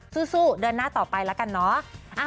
สู้เดินหน้าต่อไปแล้วกันเนาะ